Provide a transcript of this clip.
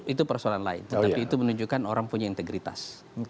itu persoalan lain tetapi itu menunjukkan orang punya integritas